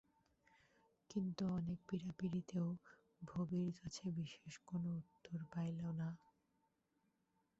কিন্তু অনেক পীড়াপীড়িতেও ভবির কাছে বিশেষ কোনো উত্তর পাইল না।